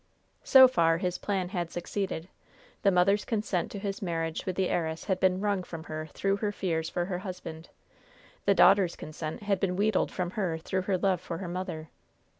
So far his plan had succeeded. The mother's consent to his marriage with the heiress had been wrung from her through her fears for her husband. The daughter's consent had been wheedled from her through her love for her mother.